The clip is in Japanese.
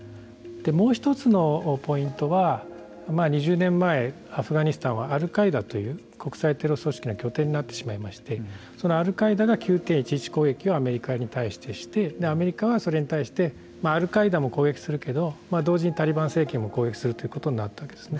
もう一つのポイントは２０年前アフガニスタンはアルカイダという国際テロ組織の拠点になってしまいましてそのアルカイダが９．１１攻撃をアメリカに対してしてアメリカはそれに対してアルカイダも攻撃するけど同時にタリバン政権も攻撃するということになったわけですね。